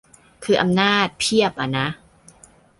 คืออำนาจเพียบอะนะ